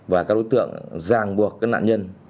và các đối tượng giang buộc các nạn nhân